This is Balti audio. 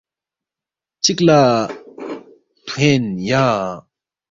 ‘‘ چک لا تھوین یا’’